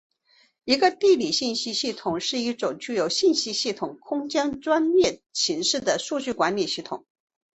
一个地理信息系统是一种具有信息系统空间专业形式的数据管理系统。